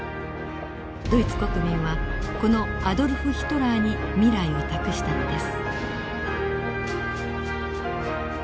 ドイツ国民はこのアドルフ・ヒトラーに未来を託したのです。